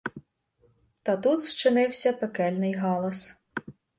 Та тут зчинився пекельний галас.